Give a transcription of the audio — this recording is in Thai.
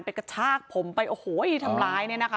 กระชากผมไปโอ้โหทำร้ายเนี่ยนะคะ